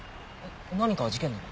何か事件でも？